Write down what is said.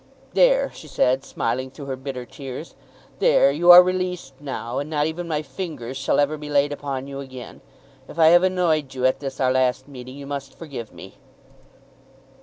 "There," she said, smiling through her bitter tears, "there; you are released now, and not even my fingers shall ever be laid upon you again. If I have annoyed you, at this our last meeting, you must forgive me."